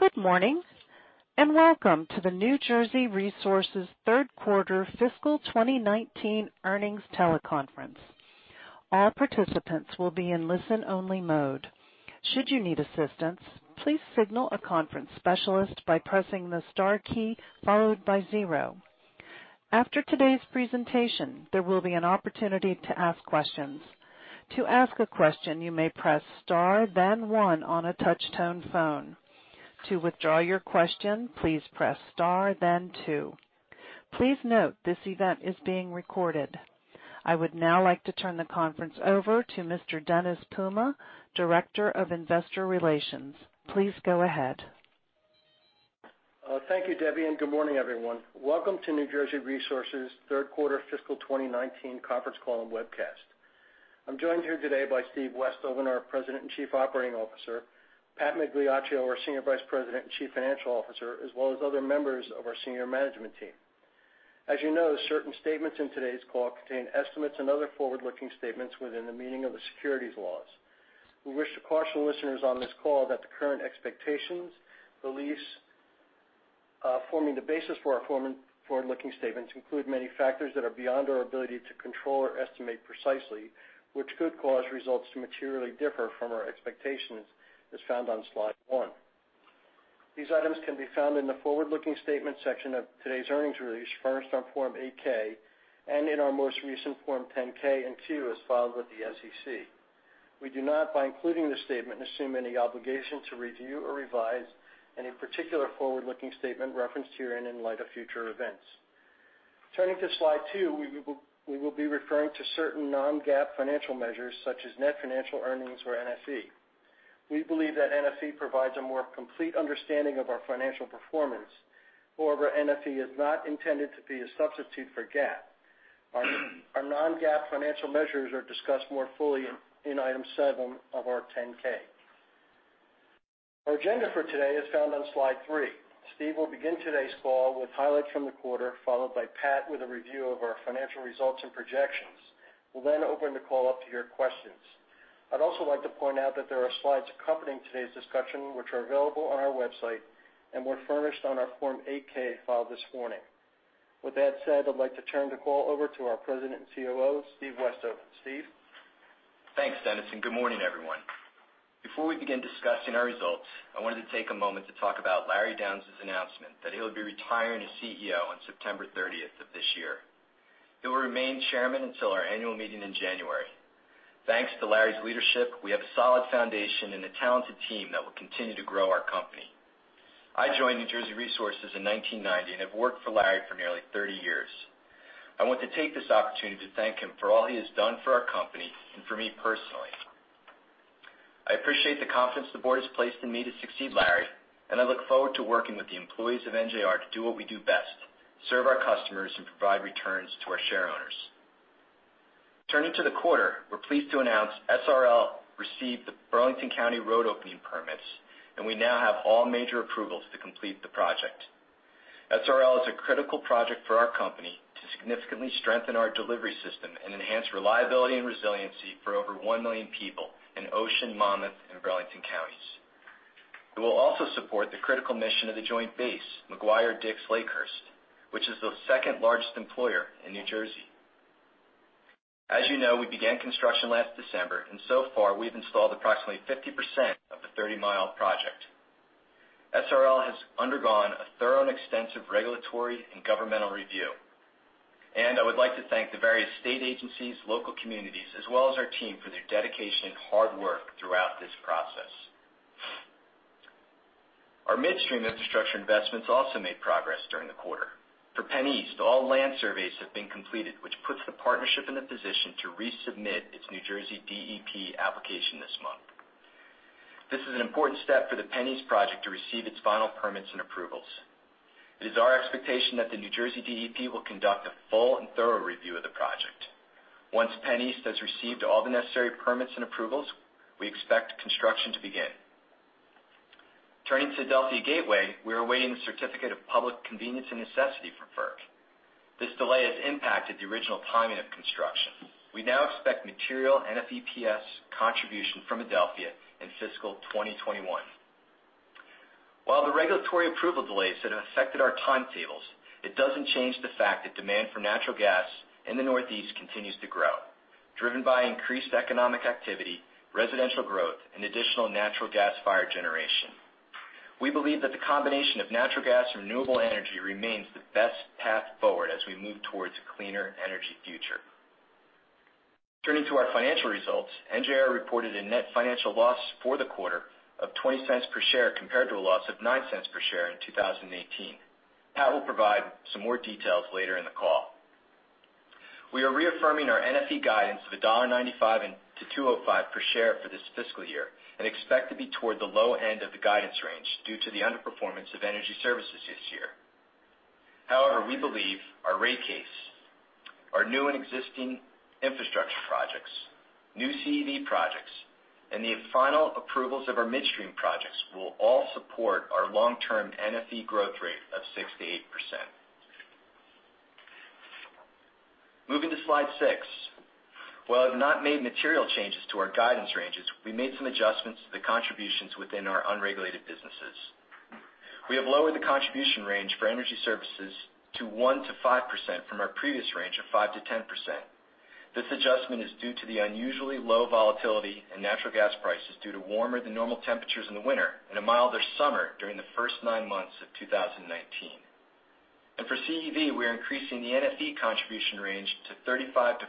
Good morning, and welcome to the New Jersey Resources third quarter fiscal 2019 earnings teleconference. All participants will be in listen-only mode. Should you need assistance, please signal a conference specialist by pressing the star key followed by zero. After today's presentation, there will be an opportunity to ask questions. To ask a question, you may press star then one on a touch-tone phone. To withdraw your question, please press star then two. Please note this event is being recorded. I would now like to turn the conference over to Mr. Dennis Puma, Director of Investor Relations. Please go ahead. Thank you, Debbie, and good morning, everyone. Welcome to New Jersey Resources' third quarter fiscal 2019 conference call and webcast. I'm joined here today by Steve Westhoven, our President and Chief Operating Officer, Patrick Migliaccio, our Senior Vice President and Chief Financial Officer, as well as other members of our senior management team. As you know, certain statements in today's call contain estimates and other forward-looking statements within the meaning of the securities laws. We wish to caution listeners on this call that the current expectations, beliefs forming the basis for our forward-looking statements include many factors that are beyond our ability to control or estimate precisely, which could cause results to materially differ from our expectations, as found on slide one. These items can be found in the forward-looking statements section of today's earnings release, furnished on Form 8-K, and in our most recent Form 10-K and 10-Q, as filed with the SEC. We do not, by including this statement, assume any obligation to review or revise any particular forward-looking statement referenced herein in light of future events. Turning to slide two, we will be referring to certain non-GAAP financial measures, such as net financial earnings or NFE. We believe that NFE provides a more complete understanding of our financial performance. However, NFE is not intended to be a substitute for GAAP. Our non-GAAP financial measures are discussed more fully in item seven of our 10-K. Our agenda for today is found on slide three. Steve will begin today's call with highlights from the quarter, followed by Pat with a review of our financial results and projections. We'll open the call up to your questions. I'd also like to point out that there are slides accompanying today's discussion, which are available on our website and were furnished on our Form 8-K filed this morning. With that said, I'd like to turn the call over to our President and COO, Steve Westhoven. Steve? Thanks, Dennis. Good morning, everyone. Before we begin discussing our results, I wanted to take a moment to talk about Larry Downes' announcement that he'll be retiring as CEO on September 30th of this year. He will remain Chairman until our annual meeting in January. Thanks to Larry's leadership, we have a solid foundation and a talented team that will continue to grow our company. I joined New Jersey Resources in 1990 and have worked for Larry for nearly 30 years. I want to take this opportunity to thank him for all he has done for our company and for me personally. I appreciate the confidence the board has placed in me to succeed Larry, and I look forward to working with the employees of NJR to do what we do best: serve our customers and provide returns to our shareowners. Turning to the quarter, we're pleased to announce SRL received the Burlington County road opening permits, and we now have all major approvals to complete the project. SRL is a critical project for our company to significantly strengthen our delivery system and enhance reliability and resiliency for over 1 million people in Ocean, Monmouth, and Burlington Counties. It will also support the critical mission of the Joint Base McGuire-Dix-Lakehurst, which is the second-largest employer in New Jersey. As you know, we began construction last December, and so far, we've installed approximately 50% of the 30-mile project. SRL has undergone a thorough and extensive regulatory and governmental review, and I would like to thank the various state agencies, local communities, as well as our team for their dedication and hard work throughout this process. Our midstream infrastructure investments also made progress during the quarter. For PennEast, all land surveys have been completed, which puts the partnership in the position to resubmit its New Jersey DEP application this month. This is an important step for the PennEast project to receive its final permits and approvals. It is our expectation that the New Jersey DEP will conduct a full and thorough review of the project. Once PennEast has received all the necessary permits and approvals, we expect construction to begin. Turning to Adelphia Gateway, we are awaiting the certificate of public convenience and necessity from FERC. This delay has impacted the original timing of construction. We now expect material NFEPS contribution from Adelphia in fiscal 2021. While the regulatory approval delays that have affected our timetables, it doesn't change the fact that demand for natural gas in the Northeast continues to grow, driven by increased economic activity, residential growth, and additional natural gas-fired generation. We believe that the combination of natural gas and renewable energy remains the best path forward as we move towards a cleaner energy future. Turning to our financial results, NJR reported a net financial loss for the quarter of $0.20 per share compared to a loss of $0.09 per share in 2018. Pat will provide some more details later in the call. We are reaffirming our NFE guidance of $1.95-$2.05 per share for this fiscal year and expect to be toward the low end of the guidance range due to the underperformance of energy services this year. We believe our rate case, our new and existing infrastructure projects, new CEV projects, and the final approvals of our midstream projects will all support our long-term NFE growth rate of 6%-8%. Moving to slide six. While we have not made material changes to our guidance ranges, we made some adjustments to the contributions within our unregulated businesses. We have lowered the contribution range for NJR Energy Services to 1%-5% from our previous range of 5%-10%. This adjustment is due to the unusually low volatility in natural gas prices due to warmer than normal temperatures in the winter and a milder summer during the first nine months of 2019. For CEV, we are increasing the NFE contribution range to 35%-45%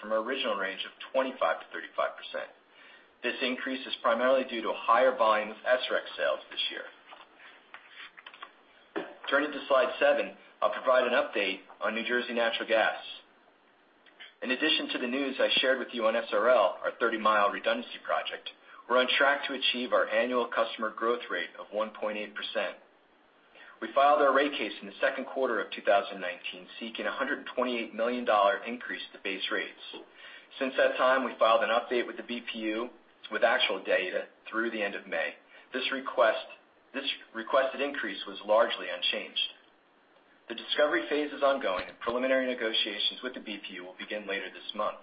from our original range of 25%-35%. This increase is primarily due to higher volume of SREC sales this year. Turning to slide seven, I'll provide an update on New Jersey Natural Gas. In addition to the news I shared with you on SRL, our 30-mile redundancy project, we're on track to achieve our annual customer growth rate of 1.8%. We filed our rate case in the second quarter of 2019, seeking $128 million increase to base rates. Since that time, we filed an update with the BPU with actual data through the end of May. This requested increase was largely unchanged. The discovery phase is ongoing, and preliminary negotiations with the BPU will begin later this month.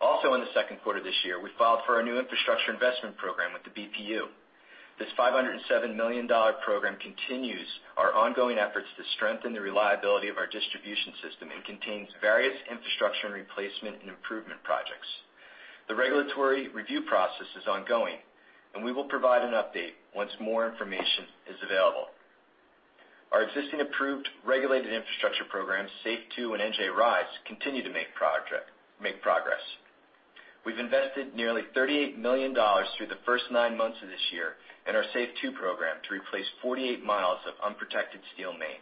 Also in the second quarter of this year, we filed for our new infrastructure investment program with the BPU. This $507 million program continues our ongoing efforts to strengthen the reliability of our distribution system and contains various infrastructure and replacement and improvement projects. The regulatory review process is ongoing, and we will provide an update once more information is available. Our existing approved regulated infrastructure programs, SAFE 2 and NJ RISE, continue to make progress. We've invested nearly $38 million through the first nine months of this year in our SAFE 2 program to replace 48 miles of unprotected steel main.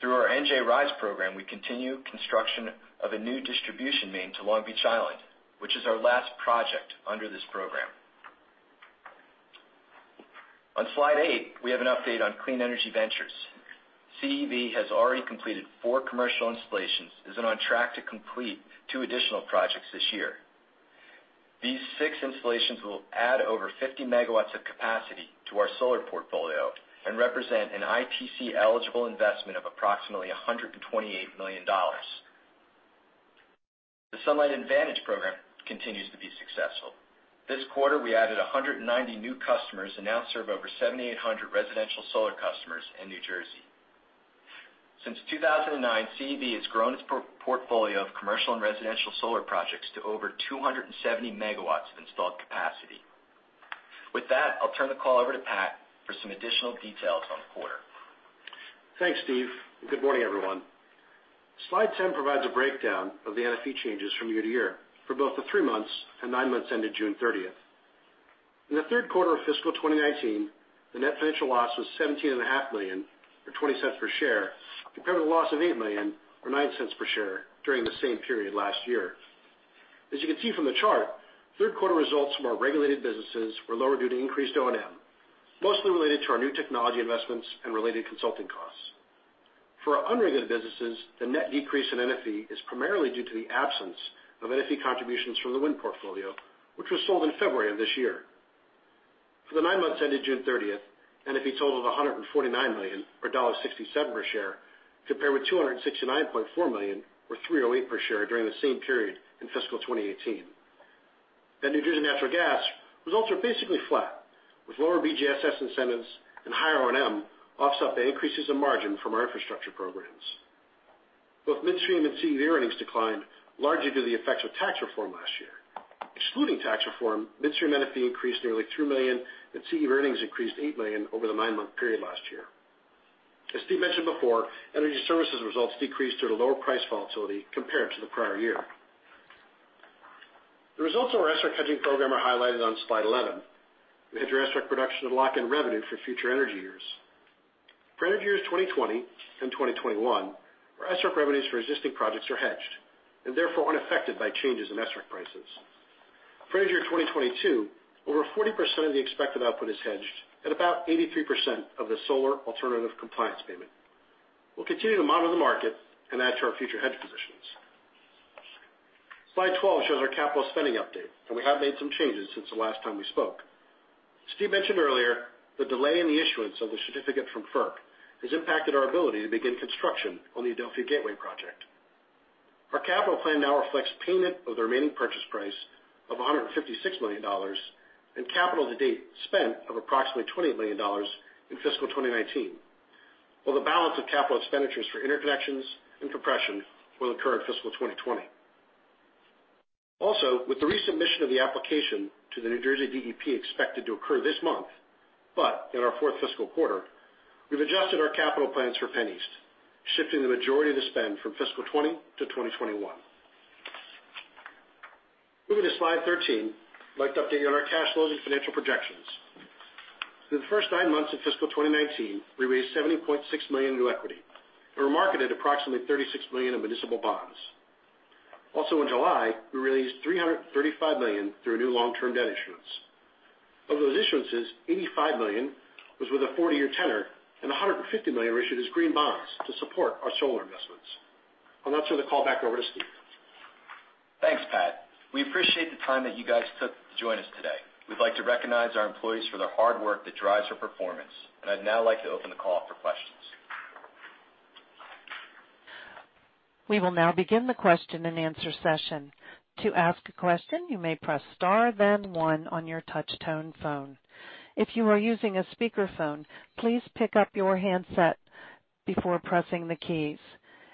Through our NJ RISE program, we continue construction of a new distribution main to Long Beach Island, which is our last project under this program. On slide eight, we have an update on Clean Energy Ventures. CEV has already completed four commercial installations and is on track to complete two additional projects this year. These six installations will add over 50 megawatts of capacity to our solar portfolio and represent an ITC-eligible investment of approximately $128 million. The Sunlight Advantage program continues to be successful. This quarter, we added 190 new customers and now serve over 7,800 residential solar customers in New Jersey. Since 2009, CEV has grown its portfolio of commercial and residential solar projects to over 270 MW of installed capacity. With that, I'll turn the call over to Pat for some additional details on the quarter. Thanks, Steve. Good morning, everyone. Slide 10 provides a breakdown of the NFE changes from year-over-year for both the three months and nine months ended June 30th. In the third quarter of fiscal 2019, the net financial loss was $17.5 million, or $0.20 per share, compared to the loss of $8 million or $0.09 per share during the same period last year. As you can see from the chart, third quarter results from our regulated businesses were lower due to increased O&M, mostly related to our new technology investments and related consulting costs. For our unregulated businesses, the net decrease in NFE is primarily due to the absence of NFE contributions from the wind portfolio, which was sold in February of this year. For the nine months ended June 30th, NFE total of $149 million, or $1.67 per share, compared with $269.4 million or $3.08 per share during the same period in fiscal 2018. At New Jersey Natural Gas, results are basically flat, with lower BGSS incentives and higher O&M offsets the increases in margin from our infrastructure programs. Both Midstream and CEV earnings declined largely due to the effects of tax reform last year. Excluding tax reform, Midstream NFE increased nearly $3 million, and CEV earnings increased $8 million over the nine-month period last year. As Steve mentioned before, energy services results decreased due to lower price volatility compared to the prior year. The results of our SREC hedging program are highlighted on slide 11. We hedge our SREC production to lock in revenue for future energy years. For energy years 2020 and 2021, our SREC revenues for existing projects are hedged, and therefore unaffected by changes in SREC prices. For energy year 2022, over 40% of the expected output is hedged at about 83% of the solar alternative compliance payment. We'll continue to monitor the market and add to our future hedge positions. Slide 12 shows our capital spending update. We have made some changes since the last time we spoke. Steve mentioned earlier the delay in the issuance of the certificate from FERC has impacted our ability to begin construction on the Adelphia Gateway project. Our capital plan now reflects payment of the remaining purchase price of $156 million and capital to date spent of approximately $28 million in fiscal 2019. The balance of capital expenditures for interconnections and compression will occur in fiscal 2020. With the resubmission of the application to the New Jersey DEP expected to occur this month, but in our fourth fiscal quarter, we've adjusted our capital plans for PennEast, shifting the majority of the spend from fiscal 2020 to 2021. Moving to slide 13, I'd like to update you on our cash flows and financial projections. Through the first nine months of fiscal 2019, we raised $70.6 million in new equity and we marketed approximately $36 million in municipal bonds. In July, we released $335 million through a new long-term debt issuance. Of those issuances, $85 million was with a 40-year tenor and $150 million issued as green bonds to support our solar investments. I'll now turn the call back over to Steve. Thanks, Pat. We appreciate the time that you guys took to join us today. We'd like to recognize our employees for their hard work that drives our performance. I'd now like to open the call up for questions. We will now begin the question and answer session. To ask a question, you may press star then one on your touch tone phone. If you are using a speakerphone, please pick up your handset before pressing the keys.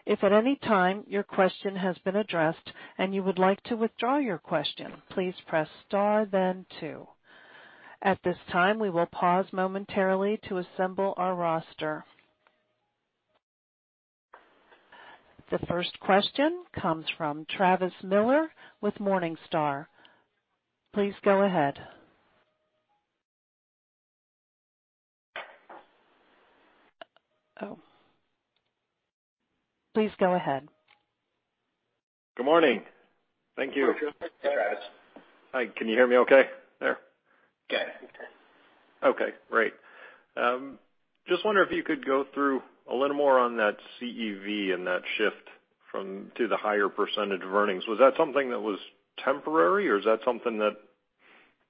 If at any time your question has been addressed and you would like to withdraw your question, please press star then two. At this time, we will pause momentarily to assemble our roster. The first question comes from Travis Miller with Morningstar. Please go ahead. Good morning. Thank you. Good morning. Hey, Travis. Hi. Can you hear me okay there? Yes. Okay, great. Just wonder if you could go through a little more on that CEV and that shift to the higher % of earnings. Was that something that was temporary or is that something that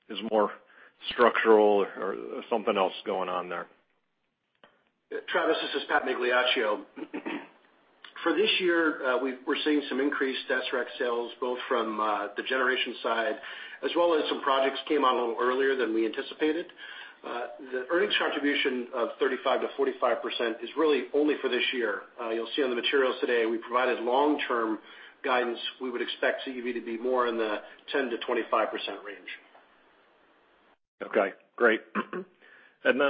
is more structural or something else going on there? Travis, this is Patrick Migliaccio. For this year, we're seeing some increased SREC sales, both from the generation side as well as some projects came on a little earlier than we anticipated. The earnings contribution of 35%-45% is really only for this year. You'll see on the materials today, we provided long-term guidance. We would expect CEV to be more in the 10%-25% range. Okay, great. kind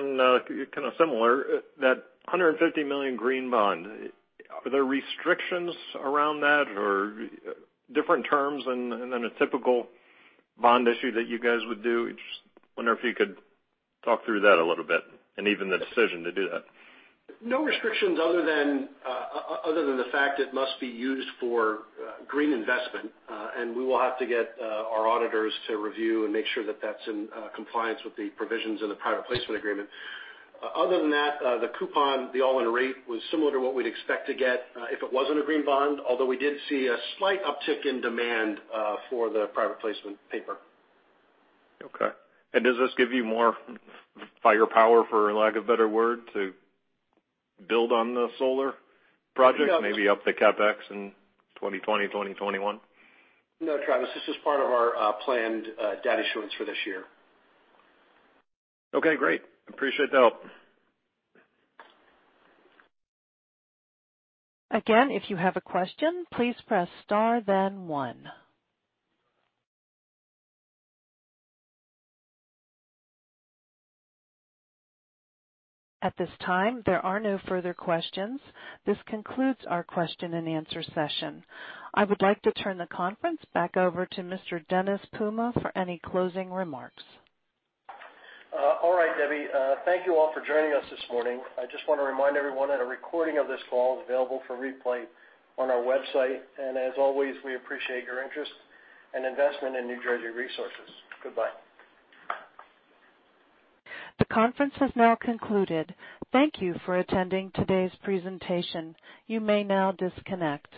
of similar, that $150 million green bond. Are there restrictions around that or different terms than a typical bond issue that you guys would do? Just wonder if you could talk through that a little bit and even the decision to do that. No restrictions other than the fact it must be used for green investment. We will have to get our auditors to review and make sure that that's in compliance with the provisions in the private placement agreement. Other than that, the coupon, the all-in rate, was similar to what we'd expect to get if it wasn't a green bond, although we did see a slight uptick in demand for the private placement paper. Okay. Does this give you more firepower, for lack of a better word, to build on the solar projects? Maybe up the CapEx in 2020, 2021? No, Travis, this is part of our planned debt issuance for this year. Okay, great. Appreciate the help. Again, if you have a question, please press star then one. At this time, there are no further questions. This concludes our question and answer session. I would like to turn the conference back over to Mr. Dennis Puma for any closing remarks. All right, Debbie. Thank you all for joining us this morning. I just want to remind everyone that a recording of this call is available for replay on our website. As always, we appreciate your interest and investment in New Jersey Resources. Goodbye. The conference has now concluded. Thank you for attending today's presentation. You may now disconnect.